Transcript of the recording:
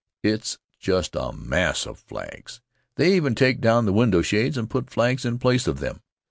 It's just a mass of flags. They even take down the window shades and put flags in place of them.